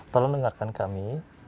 tolong dengarkan kami